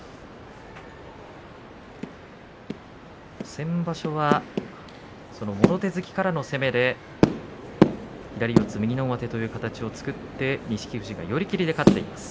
先場所はもろ手突きからの攻めで左四つ右の上手という形を作って錦富士が寄り切りで勝っています。